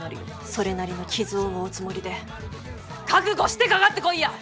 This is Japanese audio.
それなりの傷を負うつもりで覚悟してかかってこいや！